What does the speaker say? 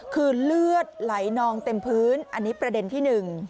คือเลือดไหลนองเต็มพื้นอันนี้ประเด็นที่๑